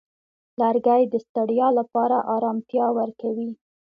لرګی د ستړیا لپاره آرامتیا ورکوي.